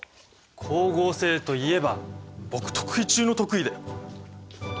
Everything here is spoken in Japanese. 光合成といえば僕得意中の得意だよ。